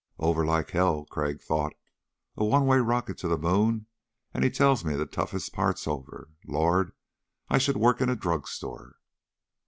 Over like hell, Crag thought. A one way rocket to the moon and he tells me the toughest part's over. Lord, I should work in a drugstore!